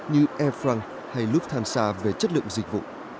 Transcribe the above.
như air france hay lufthansa về chất lượng dịch vụ